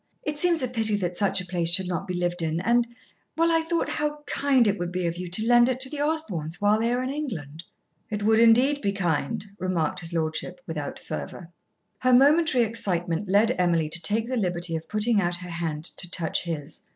It seems a pity that such a place should not be lived in and well, I thought how kind it would be of you to lend it to the Osborns while they are in England." "It would indeed be kind," remarked his lordship, without fervour. Her momentary excitement led Emily to take the liberty of putting out her hand to touch his.